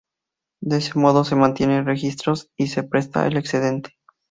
De ese modo, se mantienen registros y se presta el excedente.